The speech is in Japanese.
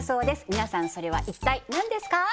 皆さんそれは一体何ですか？